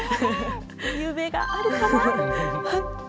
夢があるかな？